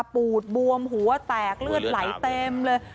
ปูดบวมหัวแตกเลือดไหลเต็มเลย